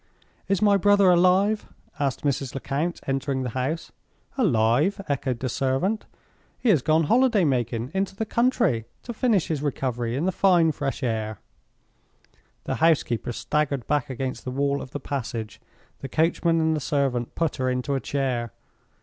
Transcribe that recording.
"Is my brother alive?" asked Mrs. Lecount, entering the house. "Alive!" echoed the servant. "He has gone holiday making into the country, to finish his recovery in the fine fresh air." The housekeeper staggered back against the wall of the passage. The coachman and the servant put her into a chair.